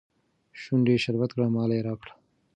شونډي شربت کړه ماله يې راکړه